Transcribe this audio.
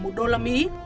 một đô la mỹ